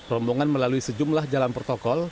rombongan melalui sejumlah jalan protokol